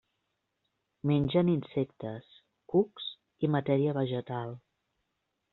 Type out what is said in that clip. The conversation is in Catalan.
Mengen insectes, cucs i matèria vegetal.